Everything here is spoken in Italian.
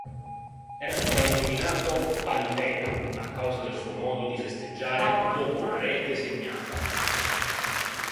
Era soprannominato "Pantera" a causa del suo modo di festeggiare dopo una rete segnata.